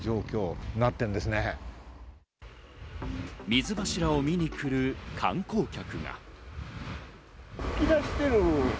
水柱を見に来る観光客。